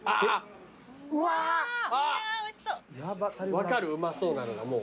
分かるうまそうなのがもう。